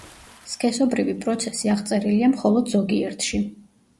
სქესობრივი პროცესი აღწერილია მხოლოდ ზოგიერთში.